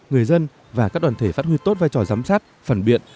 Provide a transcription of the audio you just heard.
người dân và các đoàn thể phát huy tốt vai trò giám sát phản biện